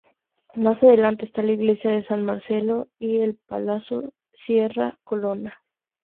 Más adelante está la iglesia de San Marcello y el Palazzo Sciarra Colonna.